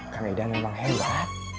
kan idangnya emang hebat